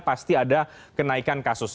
pasti ada kenaikan kasus